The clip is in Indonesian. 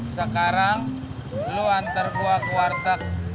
sekarang lo antar gua ke warteg